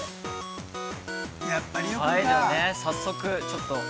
◆早速、ちょっと。